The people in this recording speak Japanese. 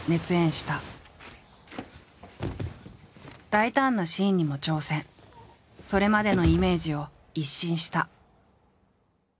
大胆なシーンにも挑戦それまでのイメージを一新した。